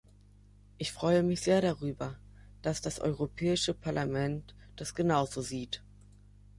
Ich freue mich sehr darüber, dass das Europäische Parlament das genauso sieht.